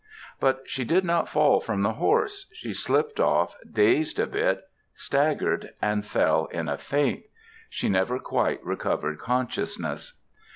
But she did not fall from the horse; she slipped off, dazed a bit, staggered and fell in a faint. She never quite recovered consciousness.